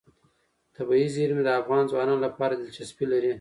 طبیعي زیرمې د افغان ځوانانو لپاره دلچسپي لري.